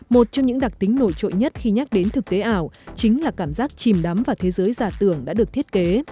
một trong những đặc tính nổi trội nhất khi nhắc đến thực tế ảo chính là cảm giác chìm đắm vào thế giới giả tưởng đã được thiết kế